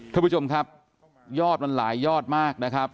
ท่านผู้ชมครับยอดมันหลายยอดมากนะครับ